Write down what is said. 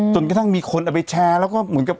จนกระทั่งมีคนเอาไปแชร์แล้วก็เหมือนกับ